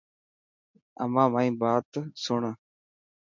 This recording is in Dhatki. امان مائي بات بات سڻ.